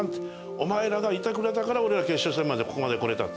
「お前らがいてくれたから俺は、決勝戦までここまで来れた」。